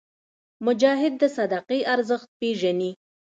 مجاهد د صدقې ارزښت پېژني.